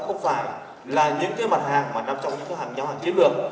nó không phải là những mặt hàng mà nằm trong những hàm nhóm hàng chiến lược